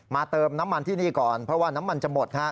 เติมน้ำมันที่นี่ก่อนเพราะว่าน้ำมันจะหมด